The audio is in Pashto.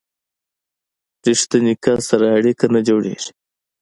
ریښتیني کس سره اړیکه نه جوړیږي.